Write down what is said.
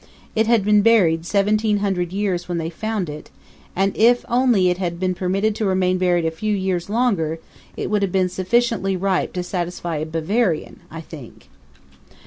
It had been buried seventeen hundred years when they found it; and if only it had been permitted to remain buried a few years longer it would have been sufficiently ripe to satisfy a Bavarian, I think.